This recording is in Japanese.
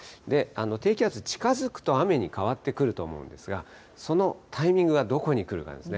低気圧近づくと、雨に変わってくると思うんですが、そのタイミングがどこに来るかですね。